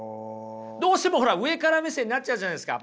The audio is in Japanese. どうしてもほら上から目線になっちゃうじゃないですか。